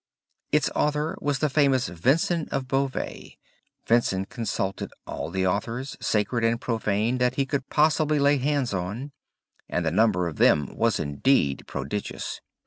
Its author was the famous Vincent of Beauvais. Vincent consulted all the authors, sacred and profane, that he could possibly lay hands on, and the number of them was indeed prodigious.